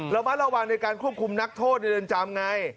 ระมัดระวังในการควบคุมนักโทษในเรือนจำไง